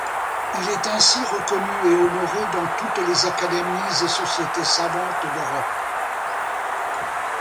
Il est ainsi reconnu et honoré dans toutes les académies et sociétés savantes d'Europe.